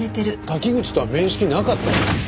滝口とは面識なかったの？